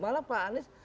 malah pak anies